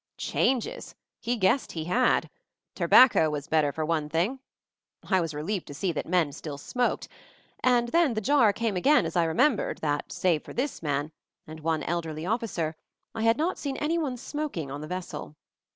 Changes 1 He guessed he had. Terbacca was better for one thing — I was relieved to see that men still smoked, and then the jar came again as I remembered that save for this man, and one elderly officer, I had not seen anyone smoking on the vessel.